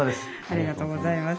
ありがとうございます。